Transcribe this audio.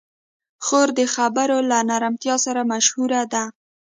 خور د خبرو له نرمتیا سره مشهوره ده.